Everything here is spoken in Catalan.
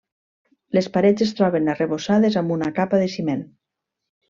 Les parets es troben arrebossades amb una capa de ciment.